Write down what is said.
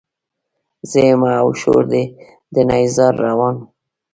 زه يمه او شور دی د نيزار روان